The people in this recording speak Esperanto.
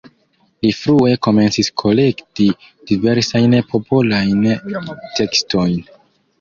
Li frue komencis kolekti diversajn popolajn tekstojn.